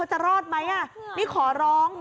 อุ้ยทีนี้มันน่ากลัวเหลือเกินค่ะ